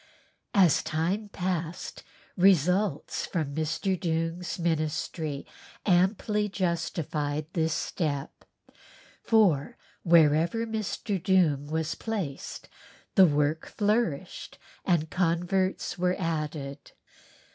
As time passed, results from Mr. Doong's ministry amply justified this step, for wherever Mr. Doong was placed the work flourished and converts were added.